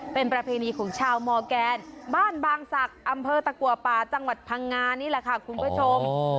เป็นประเพณีของชาวมอร์แกนบ้านบางศักดิ์อำเภอตะกัวป่าจังหวัดพังงานี่แหละค่ะคุณผู้ชม